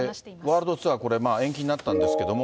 ワールドツアー、これ、延期になったんですけども。